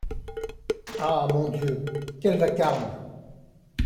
Ah ! mon Dieu ! quel vacarme !…